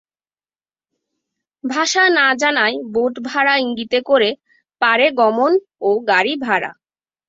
ভাষা না জানায় বোটভাড়া ইঙ্গিতে করে পারে গমন ও গাড়ী ভাড়া।